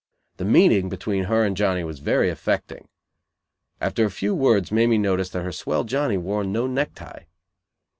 The meeting between her and Johnny was very affecting. After a few words Mamie noticed that her swell Johnny wore no neck tie.